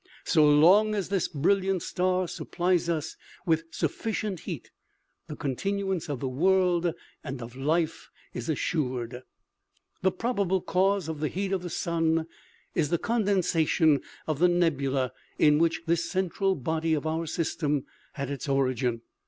So long as this brilliant star supplies us with sufficient heat the continuance of the world and of life is assured. " The probable cause of the heat of the sun is the con densation of the nebula in which this central body of our system had its origin.